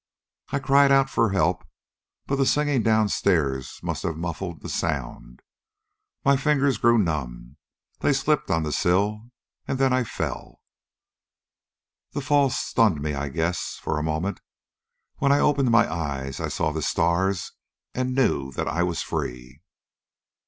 "I cried out for help, but the singing downstairs must have muffled the sound. My fingers grew numb they slipped on the sill and then I fell. "The fall stunned me, I guess, for a moment. When I opened my eyes, I saw the stars and knew that I was free.